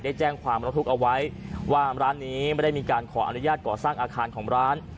แจ้งความรถทุกข์เอาไว้ว่าร้านนี้ไม่ได้มีการขออนุญาตก่อสร้างอาคารของร้าน